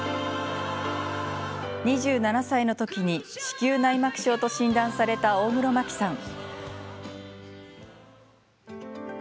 ２７歳のときに、子宮内膜症と診断された大黒摩季さん。